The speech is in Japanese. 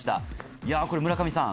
いやこれ村上さん